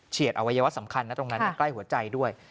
อวัยวะสำคัญนะตรงนั้นใกล้หัวใจด้วย